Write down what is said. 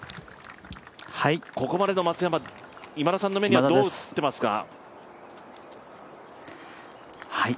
ここまでの松山今田さんの目にはどう映っていますか？